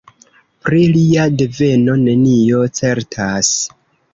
Pri lia deveno nenio certas.